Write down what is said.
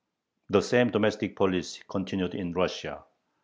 The same domestic policy continued in Russia.